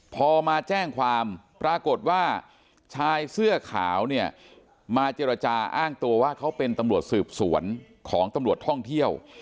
พอมาแจ้งความปรากฏว่าชายเสื้อขาวเนี่ยมาเจรจาอ้างตัวว่าเขาเป็นตำรวจสืบสวนของตำรวจท่องเที่ยว